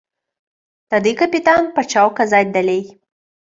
Тады капітан пачаў казаць далей.